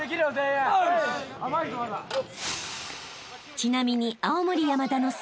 ［ちなみに］